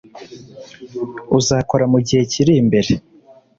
uzakora mu gihe kiri imbere